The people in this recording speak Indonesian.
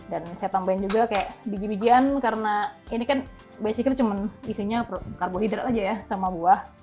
dan saya tambahin juga kayak biji bijian karena ini kan basicly cuman isinya karbohidrat aja ya sama buah